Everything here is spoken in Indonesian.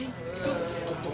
itu mau dibawa ke mana